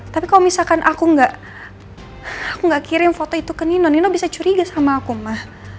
tapi kalau misalkan aku nggak kirim foto itu ke nino nino bisa curiga sama aku mah